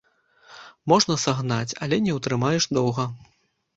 Можна сагнаць, але не ўтрымаеш доўга!